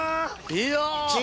いや。